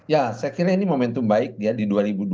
ya saya kira ini momentum baik ya di dua ribu dua puluh